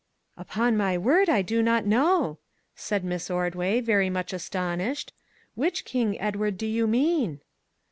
" Upon my word, I do not know," said Miss Ordway, very much astonished. " Which King Edward do you mean